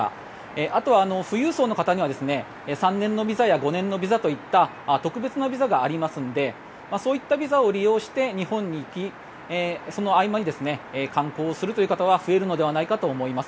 あとは富裕層の方には３年のビザや５年のビザといった特別なビザがありますのでそういったビザを利用して日本に行きその合間に観光をするという方は増えるのではないかと思います。